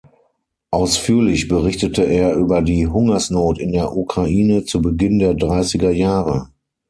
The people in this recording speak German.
Ausführlich berichtete er über die Hungersnot in der Ukraine zu Beginn der dreißiger Jahre.